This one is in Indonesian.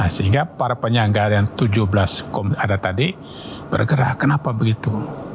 sehingga para penyangga yang tujuh belas ada tadi bergerak kenapa begitu